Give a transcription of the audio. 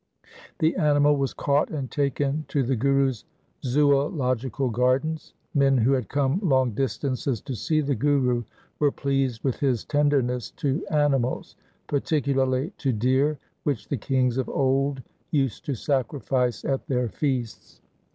The animal was caught and taken to the Guru's zoological gardens. Men who had come long distances to see the Guru were pleased with his tenderness to animals, particularly to deer, which the kings of old used to sacrifice at their feasts.